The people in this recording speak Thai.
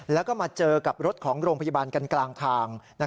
แล้วก็มาเจอกับรถของโรงพยาบาลกันกลางทาง